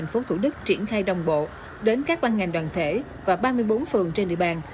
tp thủ đức triển khai đồng bộ đến các ban ngành đoàn thể và ba mươi bốn phường trên địa bàn